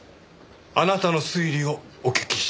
あなたの推理をお聞きしたい。